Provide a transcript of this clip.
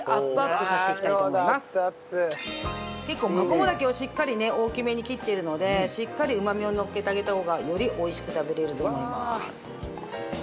結構マコモダケをしっかりね大きめに切っているのでしっかりうまみをのっけてあげた方がより美味しく食べれると思います。